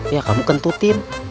ya kamu kentutin